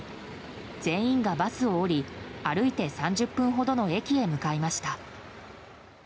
全員がバスを降り歩いて３０分ほどの駅へ向かいました。